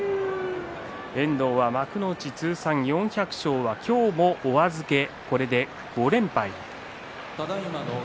遠藤は幕内通算４００勝は今日もお預け、これで５連敗